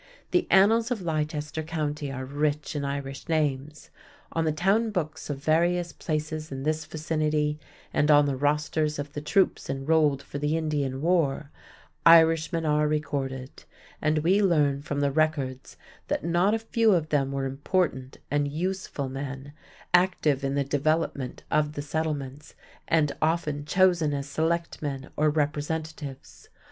The annals of Leicester County are rich in Irish names. On the Town Books of various places in this vicinity and on the rosters of the troops enrolled for the Indian war, Irishmen are recorded, and we learn from the records that not a few of them were important and useful men, active in the development of the settlements, and often chosen as selectmen or representatives.